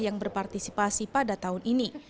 yang berpartisipasi pada tahun ini